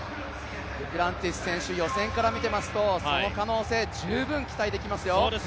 デュプランティス選手予選から見ていますとその可能性、十分期待できますよ。